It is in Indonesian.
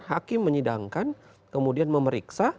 hakim menyidangkan kemudian memeriksa